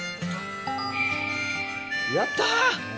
やったー！